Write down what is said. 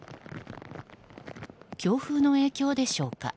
強風の影響でしょうか。